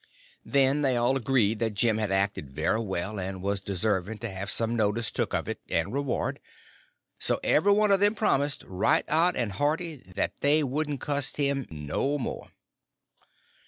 Then they all agreed that Jim had acted very well, and was deserving to have some notice took of it, and reward. So every one of them promised, right out and hearty, that they wouldn't cuss him no more.